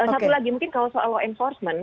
satu lagi mungkin kalau soal law enforcement